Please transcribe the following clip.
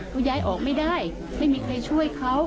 เขาย้ายออกไม่ได้ไม่มีใครช่วยเขา